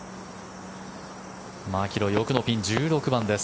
マキロイ、奥のピン１６番です。